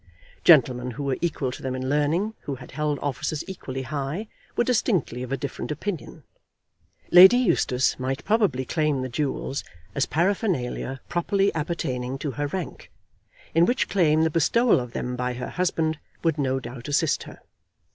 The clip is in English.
Gentlemen who were equal to them in learning, who had held offices equally high, were distinctly of a different opinion. Lady Eustace might probably claim the jewels as paraphernalia properly appertaining to her rank; in which claim the bestowal of them by her husband would no doubt assist her.